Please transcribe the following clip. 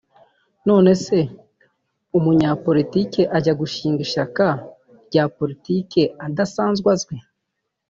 none se umunyapolitiki ajya gushinga ishyaka rya politiki adasanzwe azwi